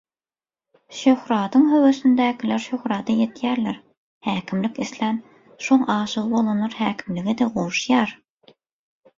Şöhratyň höwesindäkiler şöhrata ýetýärler, häkimlik islän, şoň aşygy bolanlar häkimlige-de gowuşýar.